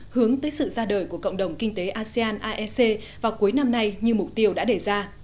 hướng tới sự ra đời của cộng đồng kinh tế asean aec vào cuối năm nay như mục tiêu đã đề ra